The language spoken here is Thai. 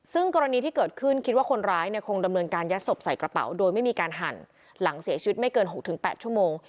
ซึ่งกรณีที่เกิดขึ้นคิดว่าคนร้ายเนี่ยคงดำเนินการยัดศพใส่กระเป๋าโดยไม่มีการหั่นหลังเสียชีวิตไม่เกิน๖๘ชั่วโมง